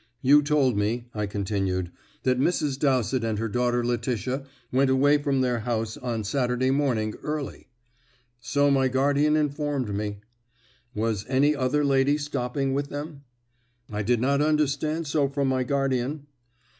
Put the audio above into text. "You told me," I continued, "that Mrs. Dowsett and her daughter Letitia went away from their house on Saturday morning early." "So my guardian informed me." "Was any other lady stopping with them?" "I did not understand so from my guardian."